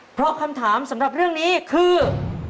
เพราะคำถามสำหรับเรื่องนี้คือ